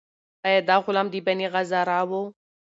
آیا دا غلام د بني غاضرة و؟